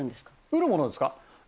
得るものですか？